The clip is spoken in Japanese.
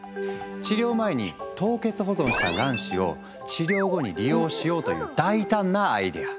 治療前に凍結保存した卵子を治療後に利用しようという大胆なアイデア。